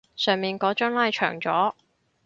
上面嗰張拉長咗